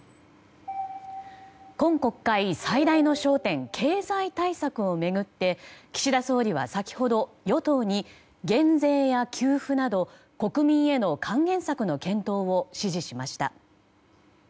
今国会最大の焦点経済対策を巡って岸田総理は先ほど与党に減税や給付など国民への還元策の検討を指示しました。